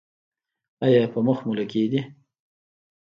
ایا په مخ مو لکې دي؟